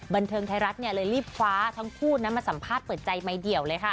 บันเทิงไทยรัฐเลยรีบคว้าทั้งคู่มาสัมภาษณ์เปิดใจใหม่เดี่ยวเลยค่ะ